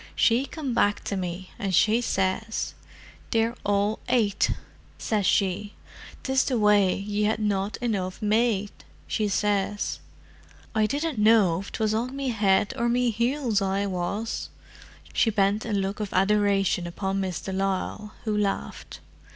"She come back to me, and she says, 'They're all ate,' says she: ''tis the way ye had not enough made,' she says. I didn't know if 'twas on me head or me heels I was!" She bent a look of adoration upon Miss de Lisle, who laughed.